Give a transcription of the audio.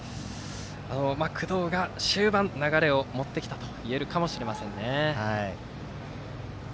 工藤が終盤、流れを持ってきたといえるかもしれませんね。